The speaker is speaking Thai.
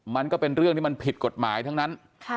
มันก็เป็นเรื่องที่มันผิดกฎหมายทั้งนั้น